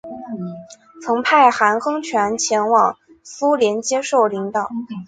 曾派韩亨权前往苏联接受领导。